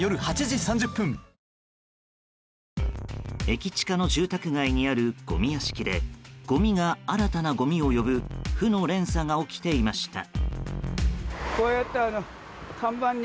駅近の住宅街にあるごみ屋敷でごみが新たなごみを呼ぶ負の連鎖が起きていました。